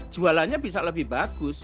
jualannya bisa lebih bagus